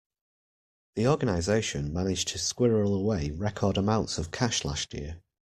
The organisation managed to squirrel away record amounts of cash last year.